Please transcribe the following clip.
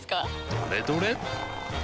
どれどれっ！